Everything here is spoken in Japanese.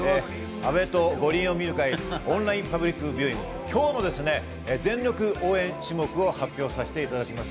阿部と五輪を見る会オンラインパブリックビューイング、今日も全力応援種目を発表させていただきます。